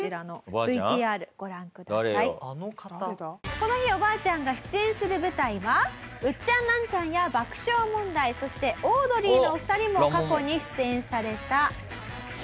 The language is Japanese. この日おばあちゃんが出演する舞台はウッチャンナンチャンや爆笑問題そしてオードリーのお二人も過去に出演された。